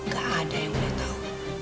gak ada yang boleh tahu